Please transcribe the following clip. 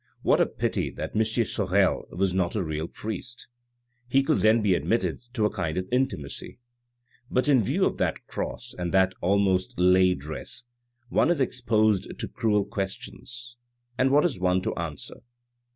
" What a pity that M. Sorel was not a real priest ! He could then be admitted to a kind of intimacy ; but in view of that cross, and that almost lay dress, one is exposed to cruel questions and what is one to answer?"